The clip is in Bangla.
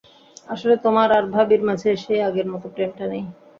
আসলে, তোমার আর ভাবীর মাঝে সেই আগের মতো প্রেমটা নেই।